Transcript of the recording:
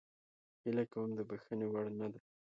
هیله کوم د بخښنې وړ نه ده.